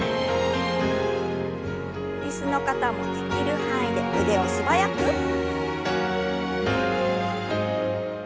椅子の方もできる範囲で腕を素早く。